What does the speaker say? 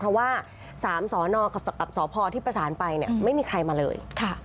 เพราะว่า๓สนกับสพที่ประสานไปไม่มีใครมาเลย